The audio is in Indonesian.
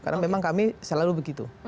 karena memang kami selalu begitu